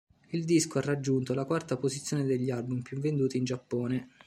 Il disco ha raggiunto la quarta posizione degli album più venduti in Giappone.